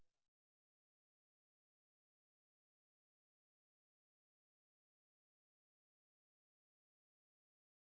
berita terkini mengenai cuaca relaks cover